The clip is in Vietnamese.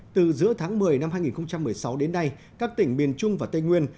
từ giữa tháng một mươi năm hai nghìn một mươi sáu đến nay các tỉnh miền trung và tây nguyên